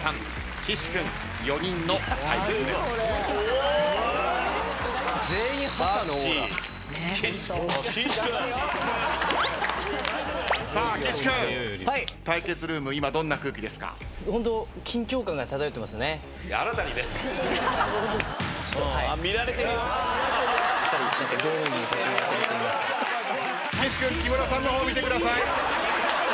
岸君木村さんの方見てください。